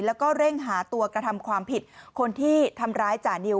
แล้วก็เร่งหาตัวกระทำความผิดคนที่ทำร้ายจานิว